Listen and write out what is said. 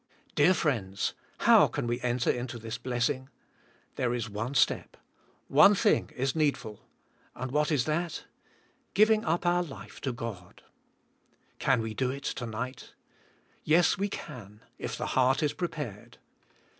Dear friends, how can we enter into this blessing"? There is one step. One thing is needful, and what is that? Giving up our life to God. Can we do it to nig ht? Yes, we can, if the heart is prepared.